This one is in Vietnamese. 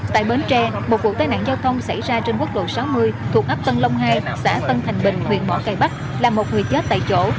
tại bến tre một vụ tai nạn giao thông xảy ra trên quốc lộ sáu mươi thuộc ấp tân long hai xã tân thành bình huyện mỏ cây bắc làm một người chết tại chỗ